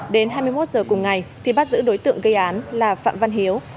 đến hai mươi một giờ cùng ngày thì bắt giữ đối tượng gây án là phạm văn hiếu